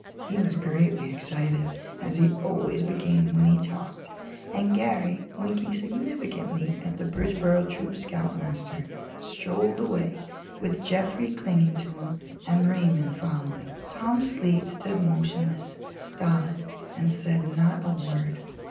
He was greatly excited, as he always became when he talked and Garry winking significantly at the Bridgeboro Troop's scoutmaster, strolled away with Jeffrey clinging to him and Raymond following. Tom Slade stood motionless, stolid, and said not a word.